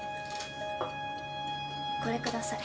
これください